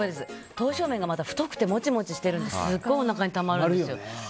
刀削麺が太くてモチモチしててすごくおなかにたまるんですよ。